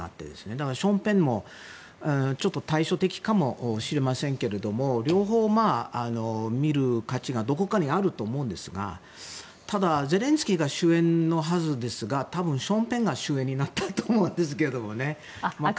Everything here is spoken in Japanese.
だから、ショーン・ペンもちょっと対照的かもしれませんが両方、見る価値がどこかにあると思うんですがただ、ゼレンスキーが主演のはずですが多分、ショーン・ペンが主演になったと思うんですけどね。